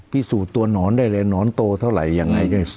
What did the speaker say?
พิสูจน์ตัวหนอนได้เลยหนอนโตเท่าไหร่ยังไง